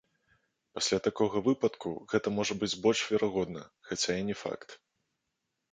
Пасля такога выпадку гэта можа быць больш верагодна, хаця і не факт.